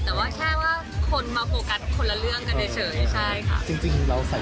แต่ว่าแค่ว่าคนมาโปรกัสคนละเรื่องกันเฉยใช่ค่ะ